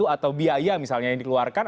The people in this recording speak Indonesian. atau biaya misalnya yang dikeluarkan